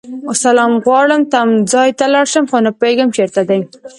سلام غواړم تمځای ته لاړشم خو نه پوهيږم چیرته دی